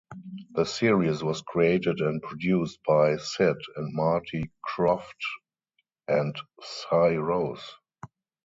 The series was created and produced by Sid and Marty Krofft and Si Rose.